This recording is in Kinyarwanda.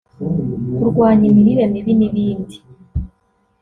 kurwanya imirire mibi n’ibindi